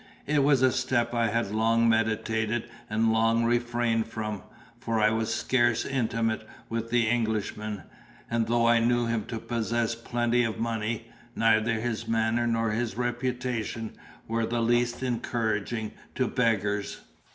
It was a step I had long meditated and long refrained from; for I was scarce intimate with the Englishman; and though I knew him to possess plenty of money, neither his manner nor his reputation were the least encouraging to beggars.